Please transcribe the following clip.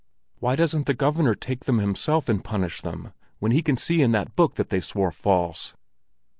"Why doesn't the Governor take them himself and punish them, when he can see in that book that they swore false?"